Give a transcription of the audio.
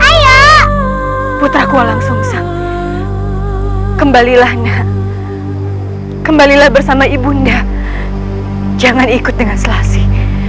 ayo putra ku langsung kembalilah kembalilah bersama ibunda jangan ikut dengan selasi